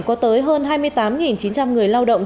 có tới hơn hai mươi tám chín trăm linh người lao động